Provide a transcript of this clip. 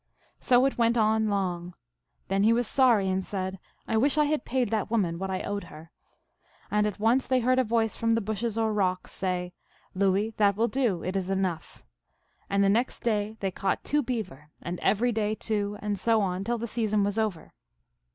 So it went on long. Then he was sorry, and said, 4 1 wish I had paid that woman what I owed her. And at once they heard a voice from the bushes, or rocks, say, Louis, that will do. It is enough. And the next day they caught two beaver, and every day two, and so on, till the season was over.